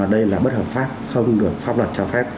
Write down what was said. đây là bất hợp pháp không được pháp luật cho phép